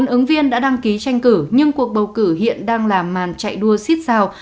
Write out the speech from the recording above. một mươi bốn ứng viên đã đăng ký tranh cử nhưng cuộc bầu cử hiện đang làm màn chạy đua xít xào